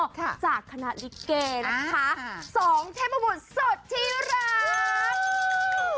ค่ะจากคณะริเกนะคะอ่าสองเทพบุรุษสุดที่รัก